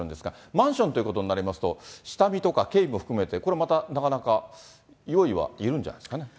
マンションということになりますと、下見とか警備も含めて、これまた、なかなか用意はいるんじゃないですかね。